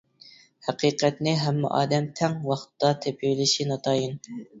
ھەقىقەتنى ھەممە ئادەم تەڭ ۋاقىتتا تېپىۋېلىشى ناتايىن.